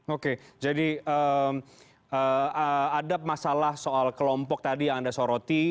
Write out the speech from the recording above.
oke jadi ada masalah soal kelompok tadi yang anda soroti